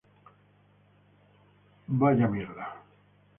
We Still Crunk!!